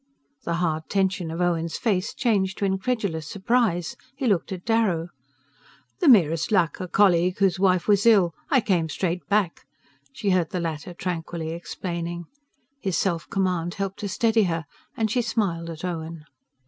The hard tension of Owen's face changed to incredulous surprise. He looked at Darrow. "The merest luck ... a colleague whose wife was ill...I came straight back," she heard the latter tranquilly explaining. His self command helped to steady her, and she smiled at Owen.